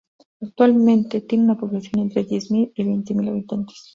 Actualmente tiene una población entre diez mil y veinte mil habitantes.